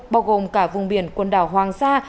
bao gồm cả vùng biển quần đảo hoàng sa